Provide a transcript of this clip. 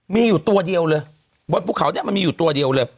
มีอยู่ตัวเดียวบนปุ๊บเขามีอยู่ตัวเดียว